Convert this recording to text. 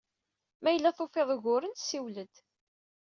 Ma yella tufiḍ uguren, siwel-d.